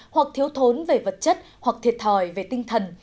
hoặc thiếu thốn về vật chất hoặc thiệt thòi về tinh thần